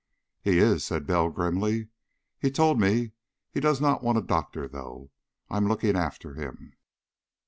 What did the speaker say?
"He is," said Bell grimly. "He told me he does not want a doctor, though. I'm looking after him."